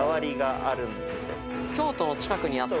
京都の近くにあって。